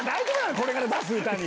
これから出す歌に。